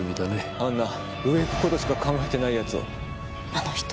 あんな上行くことしか考えてないやつを。